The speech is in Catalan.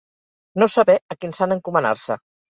No saber a quin sant encomanar-se.